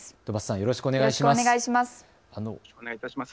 よろしくお願いしますします。